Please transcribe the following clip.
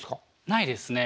ないですね。